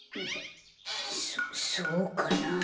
そそうかなあ？